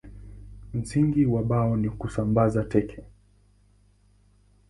Msingi wa Bao ni kusambaza kete.